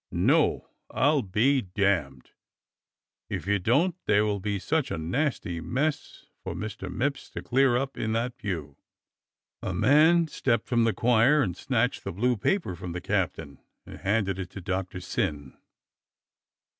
" No. I'll be damned " *'If you don't there will be such a nasty mess for IVIister Mipps to clear up in that pew!" A man stepped from the choir and snatched the blue paper from the captain and handed it to Doctor Syn.